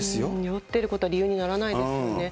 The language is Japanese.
酔ってることは理由にならないですよね。